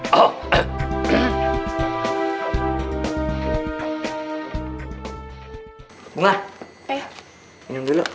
bunga minum dulu